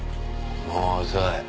もう遅い。